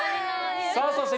さぁそして。